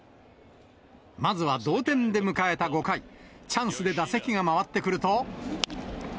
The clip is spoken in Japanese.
まずは同点で迎えた５回、チャンスで打席が回ってくると。